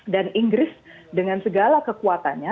dan inggris dengan segala kekuatannya